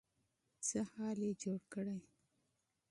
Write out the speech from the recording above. څه حال يې جوړ کړی.